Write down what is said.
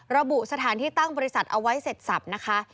ระบุสถานที่ตั้งบริษัทเอาไว้เสร็จสับนะคะ